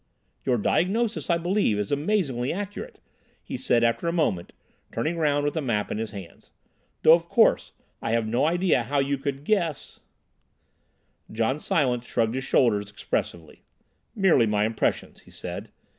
"Your diagnosis, I believe, is amazingly accurate," he said after a moment, turning round with the map in his hands. "Though, of course, I can have no idea how you should guess—" John Silence shrugged his shoulders expressively. "Merely my impression," he said.